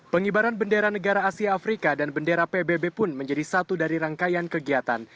pengibaran bendera negara asia afrika dan bendera pbb pun menjadi satu dari rangkaian kegiatan